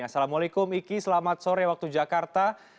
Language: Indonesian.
assalamualaikum iki selamat sore waktu jakarta